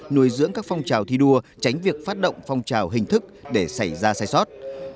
nuôi dưỡng các phong trào thi đua tránh việc phát động phong trào hình thức để xảy ra sai sót